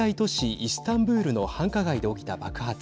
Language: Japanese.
イスタンブールの繁華街で起きた爆発。